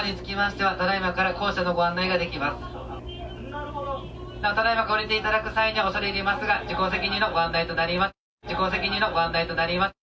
なお、ただ今から降りていただく際には、恐れ入れますが自己責任でのご案内となります。